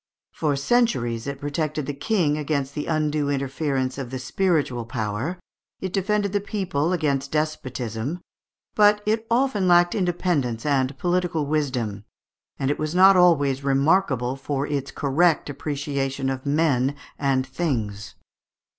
For centuries it protected the King against the undue interference of the spiritual power, it defended the people against despotism, but it often lacked independence and political wisdom, and it was not always remarkable for its correct appreciation of men and things.